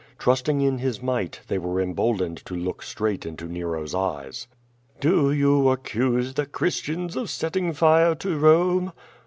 Trusting in Hie might, they were emboldened to lock straight into Nero's eyes. "Do you accuse the Christians of setting fire to Rome?"